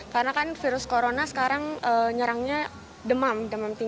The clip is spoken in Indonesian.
karena kan virus corona sekarang nyerangnya demam